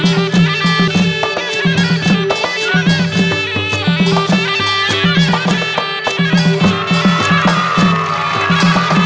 วู้วู้วู้